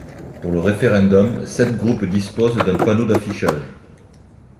Pour le référendum, sept groupes disposent d'un panneau d'affichage.